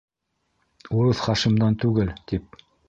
Урыҫ Хашимдан түгел, тип.